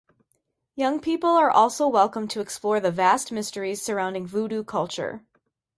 Young people are also welcome to explore the vast mysteries surrounding Voodoo culture.